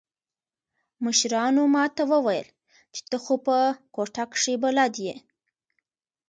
مشرانو ما ته وويل چې ته خو په کوټه کښې بلد يې.